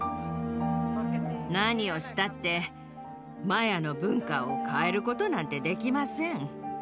何をしたってマヤの文化を変えることなんてできません。